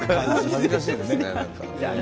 恥ずかしいですね。